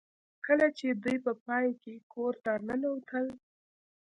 کله چې دوی په پای کې کور ته ننوتل